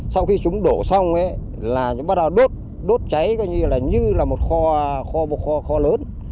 sau khi chúng đổ xong chúng bắt đầu đốt đốt cháy như là một kho lớn